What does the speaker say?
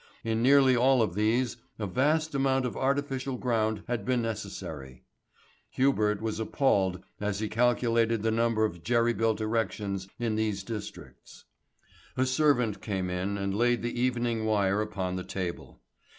In nearly all of these a vast amount of artificial ground had been necessary. Hubert was appalled as he calculated the number of jerry built erections in these districts. A servant came in and laid The Evening Wire upon the table.